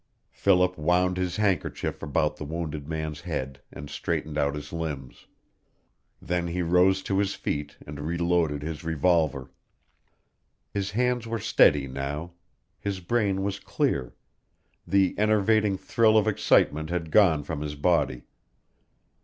Philip wound his handkerchief about the wounded man's head and straightened out his limbs. Then he rose to his feet and reloaded his revolver. His hands were steady now. His brain was clear; the enervating thrill of excitement had gone from his body.